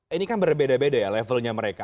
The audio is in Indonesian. ini kan berbeda beda ya levelnya mereka